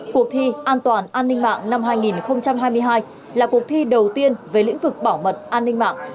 cuộc thi an toàn an ninh mạng năm hai nghìn hai mươi hai là cuộc thi đầu tiên về lĩnh vực bảo mật an ninh mạng